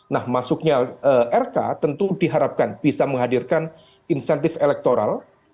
nah masuknya rk tentu diharapkan bisa menghadirkan insentif elektoral